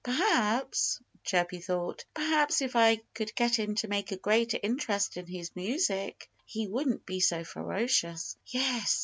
"Perhaps" Chirpy thought "perhaps if I could get him to take a greater interest in his music he wouldn't be so ferocious. Yes!